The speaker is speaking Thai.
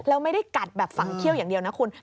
แล้วไม่ได้กัดแบบฝังเขี้ยวอย่างเดียวนะคุณ